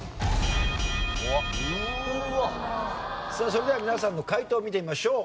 それでは皆さんの解答を見てみましょう。